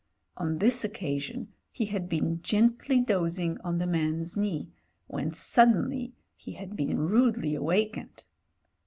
On this occasion he had been gently dozing on the man's knee, when suddenly he had been rudely awakened.